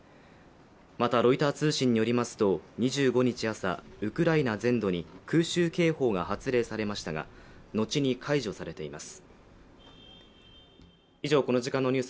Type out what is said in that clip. またロイター通信によりますと２５日朝、ウクライナ全土に空襲警報が発令されましたが後に解除されています。